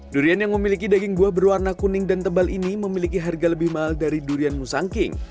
durian yang memiliki daging buah berwarna kuning dan tebal ini memiliki harga lebih mahal dari durian musangking